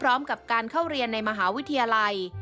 พร้อมกับการเข้าเรียนในมหาวิทยาลัย